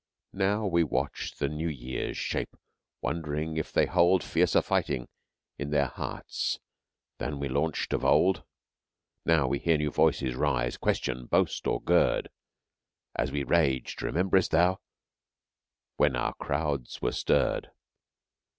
Now we watch the new years shape, wondering if they hold Fiercer lighting in their hearts than we launched of old. Now we hear new voices rise, question, boast or gird, As we raged (rememberest thou?) when our crowds were stirred.